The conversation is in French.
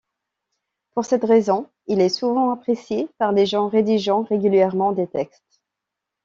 Pour cette raison, il est souvent apprécié par les gens rédigeant régulièrement des textes.